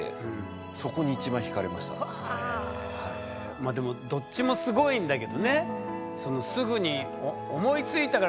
まあでもどっちもすごいんだけどね。